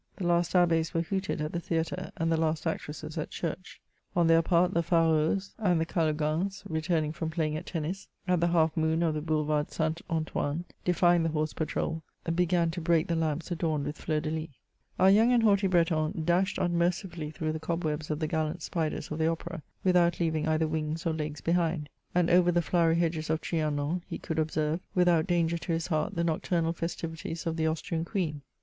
The last Ahhia were hooted at the theatre, and the last actresses at church. On their part the farauds and the eaiogans retiuming from playing at tennis, at the Half Moon of the Boulevard St. Antoine, defying the horse patrole, began to break the lamps adorned Yrith Jfeurs de lis. Our young and haughty Breton dashed unmercifully through the cobwebs of the gallant spiders of the Opera, without leaving either wings or legs behind; and over the flowery hedges of Trianon, he could observe, without danger to his heart, the nocturnal festivities of the Austrian Queen.